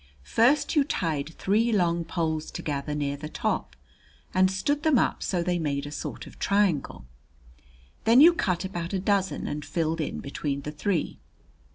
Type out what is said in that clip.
First you tied three long poles together near the top and stood them up so they made a sort of triangle. Then you cut about a dozen and filled in between the three.